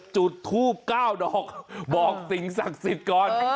จุดทูบ๙ดอกบอกสิ่งศักดิ์สิทธิ์ก่อน